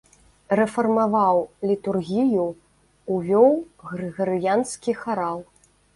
Рэфармаваў літургію, увёў грыгарыянскі харал.